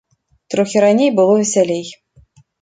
Трохі раней было весялей.